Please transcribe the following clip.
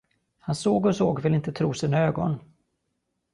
Han såg och såg och ville inte tro sina ögon.